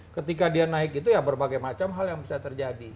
ketika dia naik itu ya berbagai macam hal yang bisa terjadi